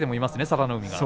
佐田の海が。